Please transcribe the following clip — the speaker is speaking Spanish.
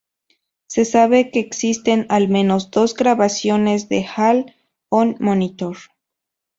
Se sabe que existen al menos dos grabaciones de Hall on Monitor.